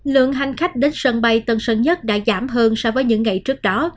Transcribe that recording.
lượng hành khách đến sân bay tân sơn nhất đã giảm hơn so với những ngày trước đó